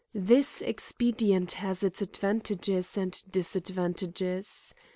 This expedient has its advantages ar^ disadvantages.